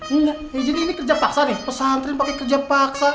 enggak jadi ini kerja paksa nih pesantren pakai kerja paksa